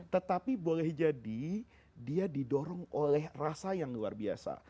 tetapi boleh jadi dia didorong oleh rasa yang luar biasa